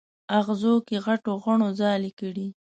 اغزو کې غټو غڼو ځالې کړي